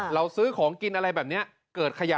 เราซื้อของกินอะไรแบบนี้เกิดขยะ